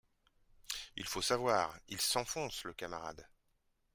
Il faut savoir, Il s’enfonce, le camarade